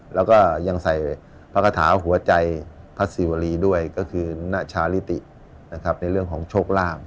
แล้วก็ยังใส่พระคาถาหัวใจพระศิวรีด้วยก็คือณชาลิตินะครับในเรื่องของโชคลาภ